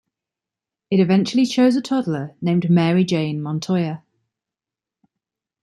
It eventually chose a toddler named Mary Jane Montoya.